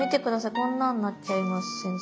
こんなんなっちゃいます先生。